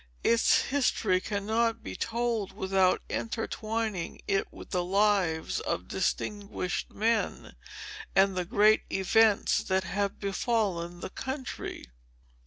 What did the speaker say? Its history cannot be told without intertwining it with the lives of distinguished men, and the great events that have befallen the country."